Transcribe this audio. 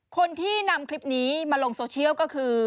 คนที่นำคลิปนี้มาลงโซเชียลก็คือ